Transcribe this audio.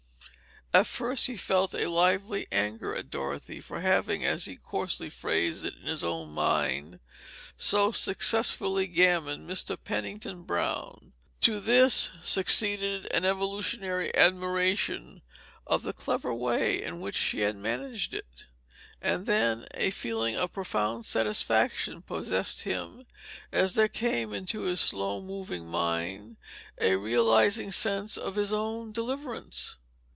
At first he felt a lively anger at Dorothy for having, as he coarsely phrased it in his own mind, so successfully gammoned Mr. Pennington Brown; to this succeeded an involuntary admiration of the clever way in which she had managed it; and then a feeling of profound satisfaction possessed him as there came into his slow moving mind a realizing sense of his own deliverance.